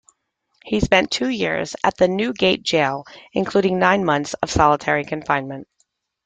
He spent two years at the Newgate Jail, including nine months of solitary confinement.